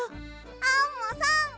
アンモさん！